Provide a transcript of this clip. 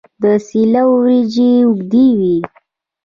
د سیله وریجې اوږدې وي.